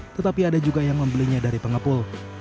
tetapi ada juga yang membelinya dari pengepul